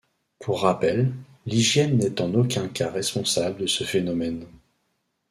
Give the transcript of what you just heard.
Pour rappel, l’hygiène n’est en aucun cas responsable de ce phénomène.